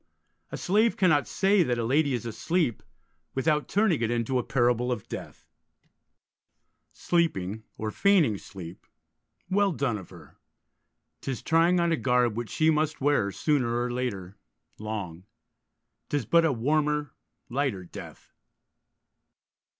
A slave cannot say that a lady is asleep without turning it into a parable of death: Sleeping, or feigning sleep, Well done of her: 'tis trying on a garb Which she must wear, sooner or later, long: 'Tis but a warmer, lighter death.